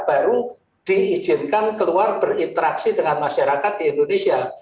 baru diizinkan keluar berinteraksi dengan masyarakat di indonesia